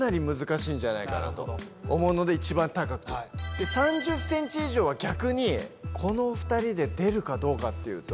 で３０ｃｍ以上は逆にこの２人で出るかどうかっていうと。